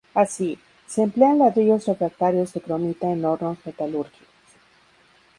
Así, se emplean ladrillos refractarios de cromita en hornos metalúrgicos.